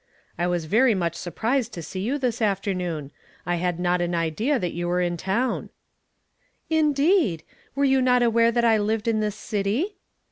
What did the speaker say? "I was very much surprised to see you tins afternoon ; I had not an idea that you were in town." "Indeed! were you not aware that I lived in this city?"